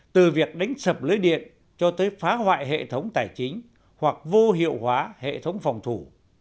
từ việc đánh sập lưới điện cho tới phá hoại hệ thống tài chính hoặc vô hiệu hóa hệ thống phòng thủ